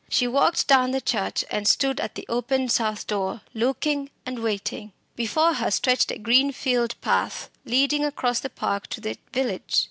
She walked down the church and stood at the open south door, looking and waiting. Before her stretched a green field path leading across the park to the village.